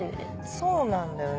そうなんだよね。